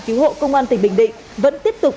cứu hộ công an tỉnh bình định vẫn tiếp tục